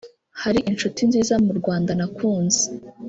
hari inshuti nziza mu Rwanda nakunze